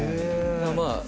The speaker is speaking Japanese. まあ